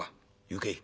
行け。